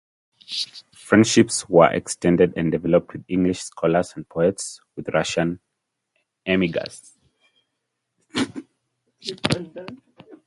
Friendships were extended and developed with English scholars and poets and with Russian emigres.